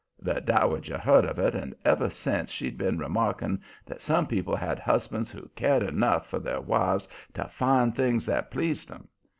The dowager heard of it, and ever since she'd been remarking that some people had husbands who cared enough for their wives to find things that pleased 'em.